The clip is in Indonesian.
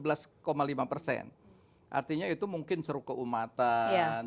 artinya itu mungkin ceruk keumatan